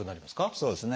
そうですね。